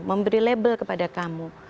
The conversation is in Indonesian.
memberi label kepada kamu